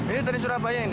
ini dari surabaya ini